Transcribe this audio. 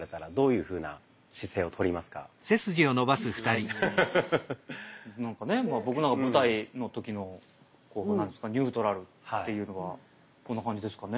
僕なんか舞台の時の何ていうんですかニュートラルっていうのはこんな感じですかね。